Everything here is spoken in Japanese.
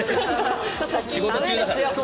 仕事中だから。